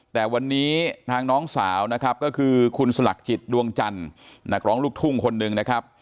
แต่วันนี้ทางน้องสาวนะครับก็คือคุณสลักจิตดวงจันทร์นักร้องลูกทุ่งคนหนึ่งนะครับ